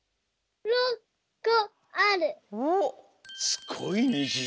すごいにじ。